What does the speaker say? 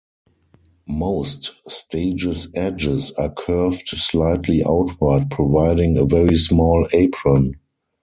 Most stages edges are curved slightly outward providing a very small apron.